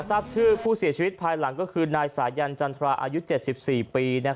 ทราบชื่อผู้เสียชีวิตภายหลังก็คือนายสายันจันทราอายุ๗๔ปี